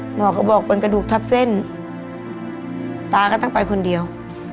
หมอก็บอกเป็นกระดูกทับเส้นตาก็ต้องไปคนเดียว